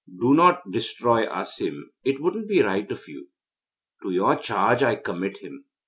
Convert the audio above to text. Do not destroy Asim it wouldn't be right of you. To your charge I commit him.